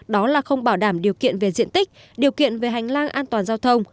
đó là không bảo đảm điều kiện về diện tích điều kiện về hành lang an toàn giao thông